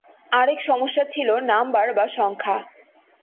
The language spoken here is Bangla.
আরেক সমস্যা ছিল নাম্বার বা সংখ্যা।